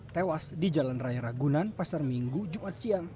tewas di jalan raya ragunan pasar minggu jumat siang